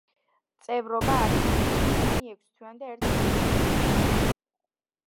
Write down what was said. წევრობა არის ერთ თვიანი, ექვს თვიანი და ერთ წლიანი.